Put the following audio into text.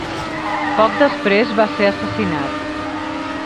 Poc després va ser assassinat.